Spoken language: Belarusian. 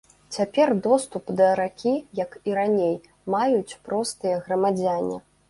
Цяпер доступ да ракі, як і раней, маюць простыя грамадзяне.